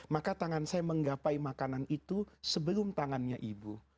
maka tangan saya menggapai makanan itu sebelum tangannya ibu